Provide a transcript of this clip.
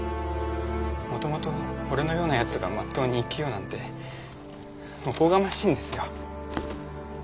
元々俺のような奴が真っ当に生きようなんておこがましいんですよ。